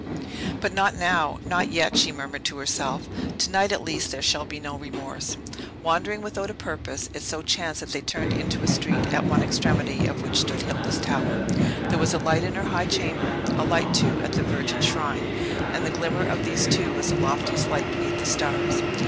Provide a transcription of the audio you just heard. "But not now; not yet," she murmured to herself. "To night, at least, there shall be no remorse!" Wandering without a purpose, it so chanced that they turned into a street, at one extremity of which stood Hilda's tower. There was a light in her high chamber; a light, too, at the Virgin's shrine; and the glimmer of these two was the loftiest light beneath the stars.